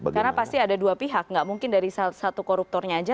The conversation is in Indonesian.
karena pasti ada dua pihak nggak mungkin dari satu koruptornya saja